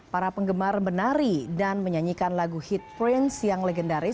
para penggemar menari dan menyanyikan lagu hit prince yang legendaris